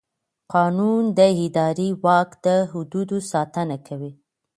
قانون د اداري واک د حدودو ساتنه کوي.